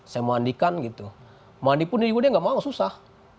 saya mandikan gitu mandi pun dia juga gak mau susah